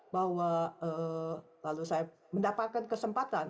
lalu saya mendapatkan kesempatan